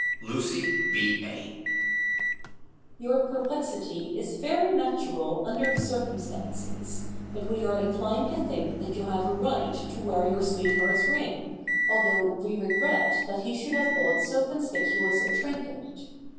"Lucy B. A." Your perplexity is very natural under the circumstances, but we are inclined to think that you have a right to wear your sweetheart's ring, although we regret that he should have bought so conspicuous a trinket.